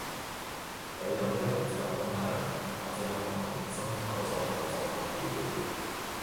比更多人自由分享，或者係混合衍生改作後再發表